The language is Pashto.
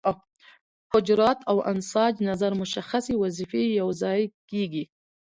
حجرات او انساج نظر مشخصې وظیفې یوځای کیږي.